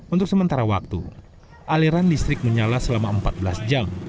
untuk sementara waktu aliran listrik menyala selama empat belas jam